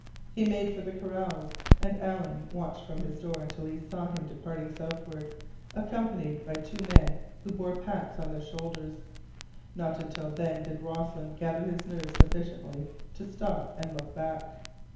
He made for the corrals, and Alan watched from his door until he saw him departing southward, accompanied by two men who bore packs on their shoulders. Not until then did Rossland gather his nerve sufficiently to stop and look back.